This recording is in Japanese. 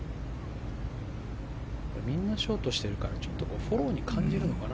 みんなショートしているから右からのフォローに感じているのかな。